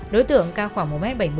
đối tượng cao khoảng một m bảy mươi